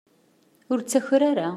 Ur ttaker ara.